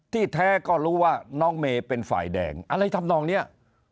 แท้ก็รู้ว่าน้องเมย์เป็นฝ่ายแดงอะไรทำนองนี้